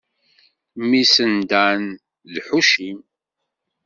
Mmi-s n Dan d Ḥucim.